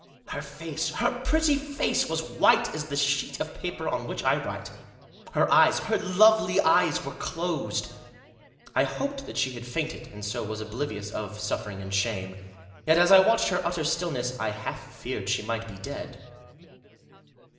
Her face — her pretty face! — was white as the sheet of paper on which I write. Her eyes — her lovely eyesl — were closed. I hoped that she had fainted, and so was oblivious of suffering and shame. Yet, as I watched her utter stillness, I half feared she might be dead.